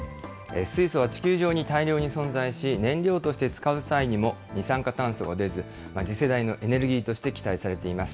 水素は地球上に大量に存在し、燃料として使う際にも二酸化炭素が出ず、次世代のエネルギーとして期待されています。